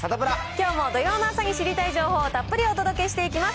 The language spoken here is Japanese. きょうも土曜の朝に知りたい情報をたっぷりお届けしていきます。